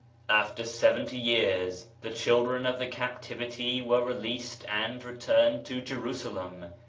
After seventy years, the children of the cap tivity were released and returned to Jerusalem.